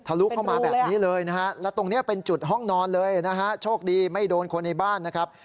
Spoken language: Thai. ลุเข้ามาแบบนี้เลยนะฮะแล้วตรงนี้เป็นจุดห้องนอนเลยนะฮะโชคดีไม่โดนคนในบ้านนะครับ